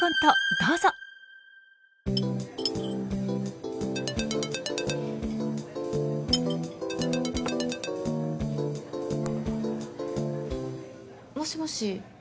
どうぞ！もしもし。